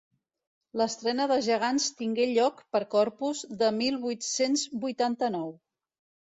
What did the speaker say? L'estrena dels Gegants tingué lloc per Corpus de mil vuit-cents vuitanta-nou.